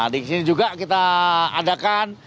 di sini juga kita adakan